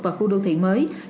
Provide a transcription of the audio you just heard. và khu đô thị mới